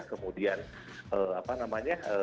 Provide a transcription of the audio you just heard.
kemudian apa namanya